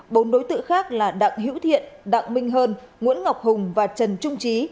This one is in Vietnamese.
bốn đối tượng khác là đặng hữu thiện đặng minh hơn nguyễn ngọc hùng và trần trung trí